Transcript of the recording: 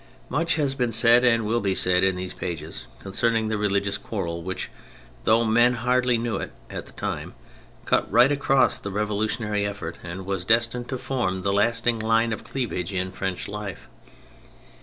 Much has been said and will be said in these pages concerning the religious quarrel which, though men hardly knew it at the time, cut right across the revolutionary effort, and was destined to form the lasting line of cleavage in French life.